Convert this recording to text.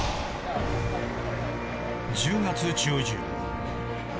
１０月中旬。